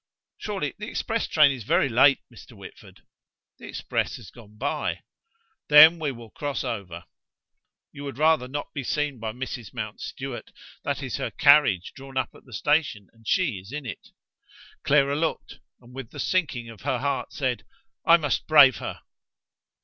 "Surely the express train is very late, Mr. Whitford?" "The express has gone by." "Then we will cross over." "You would rather not be seen by Mrs. Mountstuart. That is her carriage drawn up at the station, and she is in it." Clara looked, and with the sinking of her heart said: "I must brave her!"